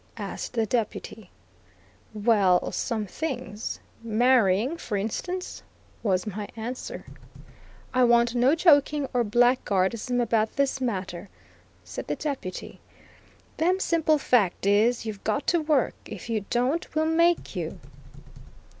asked the Deputy. "Well, some things, marrying for instance," was my answer. "I want no joking or blackguardism about this matter," said the Deputy; "them simple fact is, you've got to work; if you don't we'll make you."